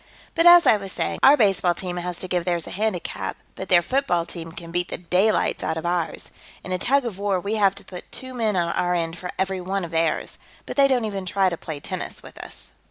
But as I was saying, our baseball team has to give theirs a handicap, but their football team can beat the daylights out of ours. In a tug of war, we have to put two men on our end for every one of theirs. But they don't even try to play tennis with us."